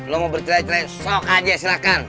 lu mau bercerai cerai sok aja silahkan